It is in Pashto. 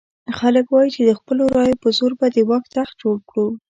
خلک وایي چې د خپلو رایو په زور به د واک تخت جوړ کړو.